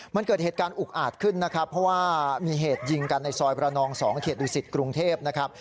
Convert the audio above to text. มันเกิดเหตุการณ์อุกอาจขึ้นนะครับเพราะว่ามีเหตุยิงกันในซอยประนอง๒เขตดุสิตกรุงเทพนะครับ